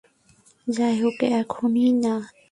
যাইহোক এখনই না।